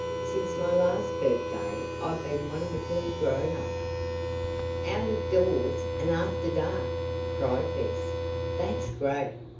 Since my last birthday I've been wonderfully grown up." "Out of doors! And after dark!" cried Bess. "That's great!"